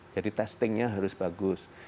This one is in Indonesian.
jadi testingnya harus bagus